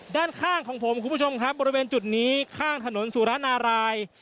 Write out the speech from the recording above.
ด้านข้างของผมคุณผู้ชมครับบริเวณจุดนี้ข้างถนนสุรนาราย